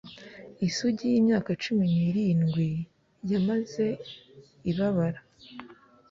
isugi yimyaka cumi nirindwi, yamaze ibabara